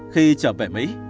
khi trở về mỹ